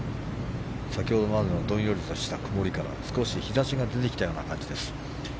先ほどまでのどんよりとした曇りから少し日差しが出てきたような感じです。